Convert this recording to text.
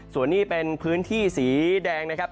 ส่วนนี้เป็นพื้นที่สีแดงนะครับ